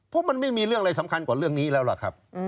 เพราะมันไม่มีเรื่องอะไรสำคัญกว่าเรื่องนี้แล้วล่ะครับ